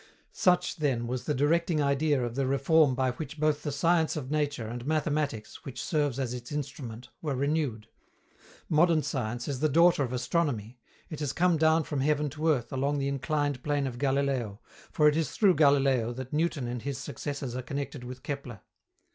Such, then, was the directing idea of the reform by which both the science of nature and mathematics, which serves as its instrument, were renewed. Modern science is the daughter of astronomy; it has come down from heaven to earth along the inclined plane of Galileo, for it is through Galileo that Newton and his successors are connected with Kepler.